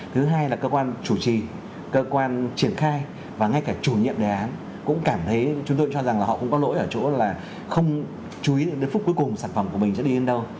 thứ hai là cơ quan chủ trì cơ quan triển khai và ngay cả chủ nhiệm đề án cũng cảm thấy chúng tôi cho rằng là họ cũng có lỗi ở chỗ là không chú ý đến phút cuối cùng sản phẩm của mình sẽ đi đến đâu